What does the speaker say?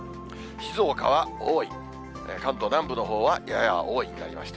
静岡は多い、関東南部のほうはやや多いになりました。